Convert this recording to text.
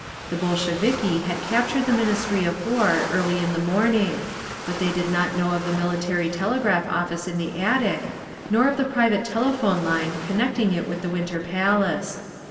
The Bolsheviki had captured the Ministry of War early in the morning, but they did not know of the military telegraph office in the attic, nor of the private telephone line connecting it with the Winter Palace.